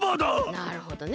なるほどね。